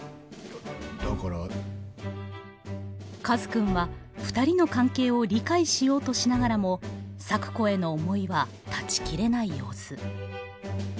カズくんはふたりの関係を理解しようとしながらも咲子への思いは断ち切れない様子。